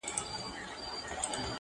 ستا غزل به چا چاته خوښې ورکړي خو